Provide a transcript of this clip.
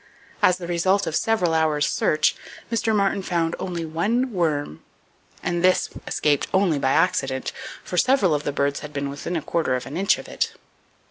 As the result of several hours' search, Mr. Martin found only one worm, and this one escaped only by accident, for several of the birds had been within a quarter of an inch of it.